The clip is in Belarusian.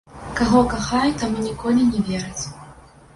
Каго кахаюць, таму ніколі не вераць.